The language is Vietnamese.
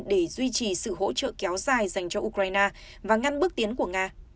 để duy trì sự hỗ trợ kéo dài dành cho ukraine và ngăn bước tiến của nga